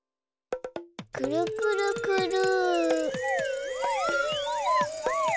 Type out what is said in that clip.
くるくるくる。